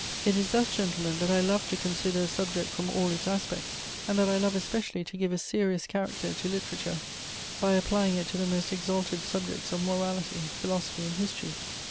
It is thus, gentlemen, that I love to consider a subject from all its aspects, and that I love especially to give a serious character to literature by applying it to the most exalted subjects of morality, philosophy and history.